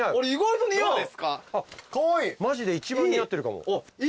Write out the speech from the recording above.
マジで一番似合ってるかも。